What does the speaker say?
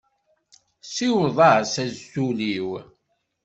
Siweḍ-as azul-iw.